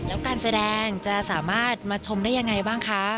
แล้วการแสดงจะสามารถมาชมได้ยังไงบ้างคะ